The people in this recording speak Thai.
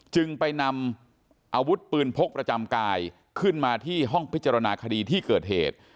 จึงไปนำอาวุธปืนพกประจำกายขึ้นมาที่ห้องพิจารณาคดีที่เกิดเหตุ